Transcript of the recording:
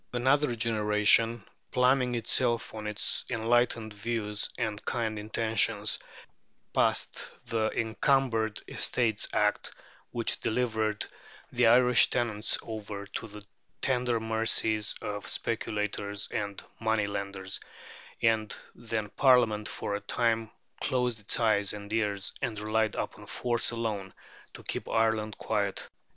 Another generation, pluming itself on its enlightened views and kind intentions, passed the Encumbered Estates Act, which delivered the Irish tenants over to the tender mercies of speculators and money lenders; and then Parliament for a time closed its eyes and ears, and relied upon force alone to keep Ireland quiet.